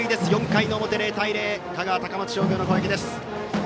４回の表、０対０香川・高松商業の攻撃です。